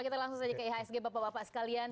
kita langsung saja ke ihsg bapak bapak sekalian